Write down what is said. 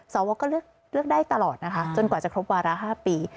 สวก็เลือกได้ตลอดนะคะจนกว่าจะครบวาระ๕ปี